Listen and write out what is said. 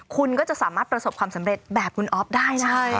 คุณก็จะสามารถประสบความสำเร็จแบบคุณอ๊อฟได้นะ